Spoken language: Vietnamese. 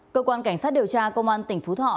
cơ quan cảnh sát điều tra công an tỉnh phú thọ